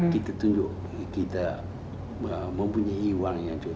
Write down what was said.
kita tunjuk kita mempunyai uang yang cukup